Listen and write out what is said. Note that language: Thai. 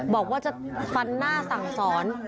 บอกว่าจะฟันหน้าสั่งสอน